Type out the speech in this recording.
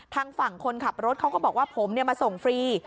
ทางฝั่งคนขับรถเขาก็บอกว่าผมมาส่งฟรี